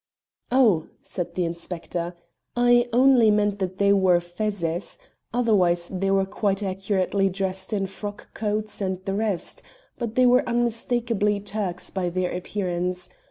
"Oh," said the inspector, "I only meant that they wore fezzes; otherwise they were quite accurately dressed in frock coats and the rest, but they were unmistakably Turks by their appearance.